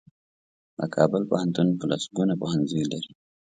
د کابل پوهنتون په لسګونو پوهنځۍ لري.